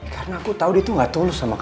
karena aku tau dia tuh gak tulus sama aku